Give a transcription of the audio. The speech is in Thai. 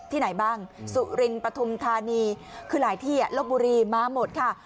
ไหนบ้างสุรินปฐุมธานีคือหลายที่ลบบุรีมาหมดค่ะ